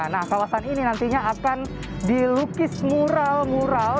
nah kawasan ini nantinya akan dilukis mural mural